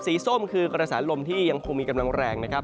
ส้มคือกระแสลมที่ยังคงมีกำลังแรงนะครับ